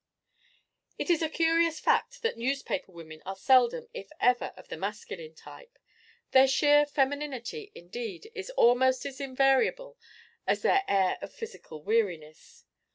It is a curious fact that newspaper women are seldom, if ever, of the masculine type; their sheer femininity, indeed, is almost as invariable as their air of physical weariness.